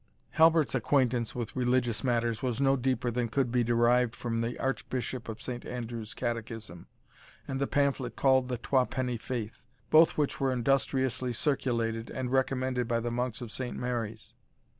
Halbert's acquaintance with religious matters was no deeper than could be derived from the Archbishop of Saint Andrew's Catechism, and the pamphlet called the Twapennie Faith, both which were industriously circulated and recommended by the monks of Saint Mary's.